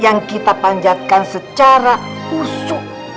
dan kita panjatkan secara khusus